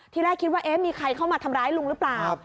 แรกคิดว่าเอ๊ะมีใครเข้ามาทำร้ายลุงหรือเปล่า